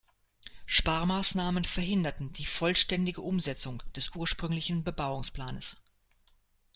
Sparmaßnahmen verhinderten die vollständige Umsetzung des ursprünglichen Bebauungsplanes.